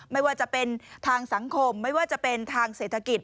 ไม่ว่าจะเป็นทางสังคมไม่ว่าจะเป็นทางเศรษฐกิจ